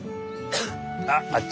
あっあっち。